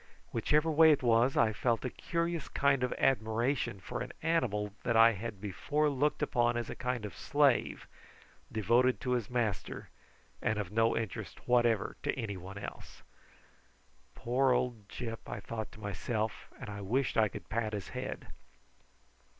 Whichever way it was, I felt a curious kind of admiration for an animal that I had before looked upon as a kind of slave, devoted to his master, and of no interest whatever to anyone else. "Poor old Gyp!" I thought to myself, and I wished I could pat his head.